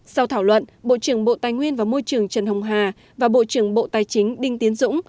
sau thảo luận bộ trưởng bộ tài nguyên và môi trường trần hồng hà và bộ trưởng bộ tài chính đinh tiến dũng